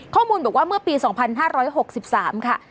ข้อมูลบอกว่าเมื่อปี๒๕๖๓ค่ะ